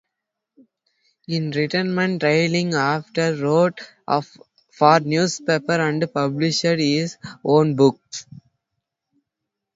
In retirement Darling often wrote for newspapers, and published his own books.